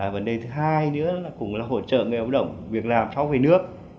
vấn đề thứ hai nữa là hỗ trợ người lao động việc làm sau về nước